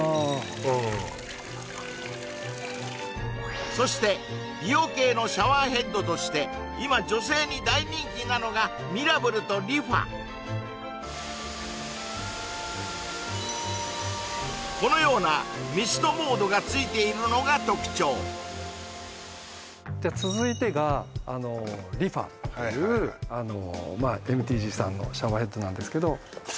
うんそして美容系のシャワーヘッドとして今女性に大人気なのがミラブルとリファこのようなミストモードが付いているのが特徴じゃ続いてがリファというあのまあＭＴＧさんのシャワーヘッドなんですけど